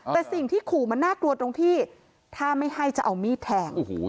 แต่สิ่งที่ขู่มันน่ากลัวตรงที่ถ้าไม่ให้จะเอามีดแทง